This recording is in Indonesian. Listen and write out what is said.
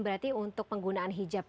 berarti untuk penggunaan hijab